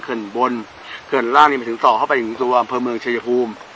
เขื่อนล่างนี่มาถึงสอเข้าไปจุดอำเภอเมืองเชจาภูมิ